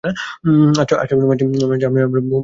আচ্ছা প্রিয়, মানছি আপনি আমার ভগবান গণেশের প্রাইভেট বাহন।